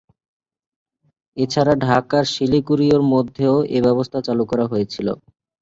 এছাড়া ঢাকা-শিলিগুড়ির মধ্যেও এ ব্যবস্থা চালু করা হয়েছে।